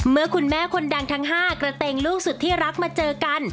เมื่อคุณแม่คนดังทั้ง๕กระเตงลูกสุดที่รักมาเจอกัน